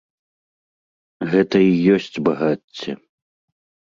Гэта і ёсць багацце.